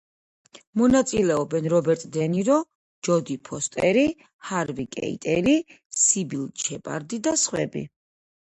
მონაწილეობენ: რობერტ დე ნირო, ჯოდი ფოსტერი, ჰარვი კეიტელი, სიბილ შეპარდი და სხვები.